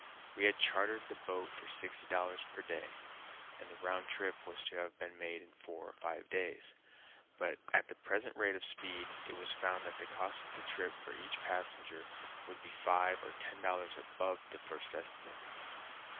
We had chartered the boat for sixty dollars per day, and the round trip was to have been made in four or five days. But at the present rate of speed it was found that the cost of the trip for each passenger would be five or ten dollars above the first estimate.